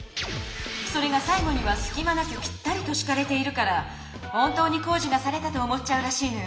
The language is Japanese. それがさい後にはすきまなくぴったりとしかれているから本当に工事がされたと思っちゃうらしいのよね。